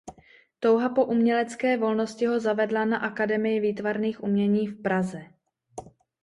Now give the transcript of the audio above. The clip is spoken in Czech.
Touha po umělecké volnosti ho zavedla na Akademii výtvarných umění v Praze.